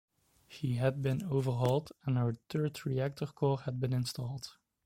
She had been overhauled and her third reactor core had been installed.